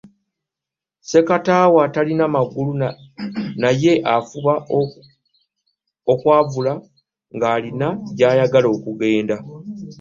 Sekatawa talina magulu naye afuba okwavula ngalina gyayagala okugenda.